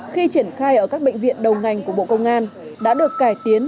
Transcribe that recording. khi triển khai ở các bệnh viện đầu ngành của bộ công an đã được cải tiến